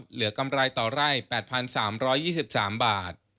กำไรต่อไร่๘๓๒๓บาท